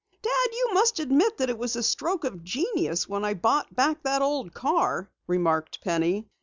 "Dad, you must admit that it was a stroke of genius when I bought back that old car," remarked Penny.